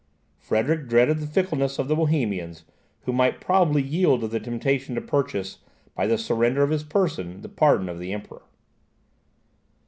Frederick dreaded the fickleness of the Bohemians, who might probably yield to the temptation to purchase, by the surrender of his person, the pardon of the Emperor.